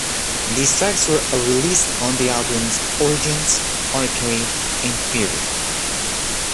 These tracks were released on the albums; "Origins", "Arcade", and "Fury".